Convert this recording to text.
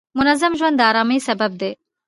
منظم ژوند د آرامۍ سبب دی.